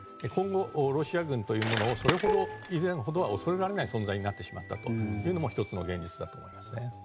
今後、ロシア軍というものを以前ほど恐れられない存在になってしまったというのも１つの現実だと思います。